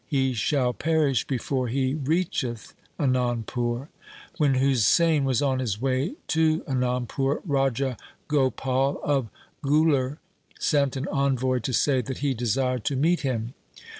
He shall perish before he reacheth Anandpur.' When Husain was on his way to Anandpur, Raja Gopal of Guler sent an envoy to say that he desired to meet him.